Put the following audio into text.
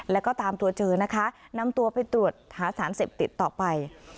แล้วก็ตามตัวเจอนะคะนำตัวไปตรวจหาสารเสพติดต่อไป